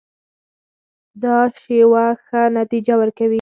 دا شیوه ښه نتیجه ورکوي.